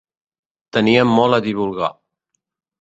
Tenien molt a divulgar.